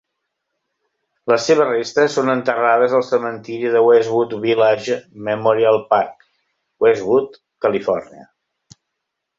Les seves restes són enterrades al cementiri de Westwood Village Memorial Park, Westwood, Califòrnia.